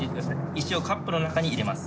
石をカップの中に入れます。